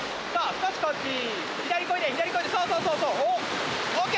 少しこっち左漕いで左漕いでそうそうそうそうＯＫ